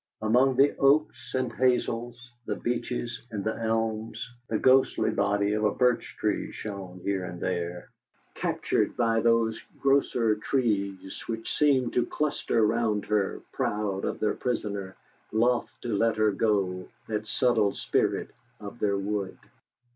Among the oaks and hazels; the beeches and the elms, the ghostly body of a birch tree shone here and there, captured by those grosser trees which seemed to cluster round her, proud of their prisoner, loth to let her go, that subtle spirit of their wood.